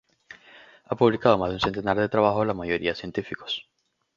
Ha publicado más de un centenar de trabajos la mayoría científicos.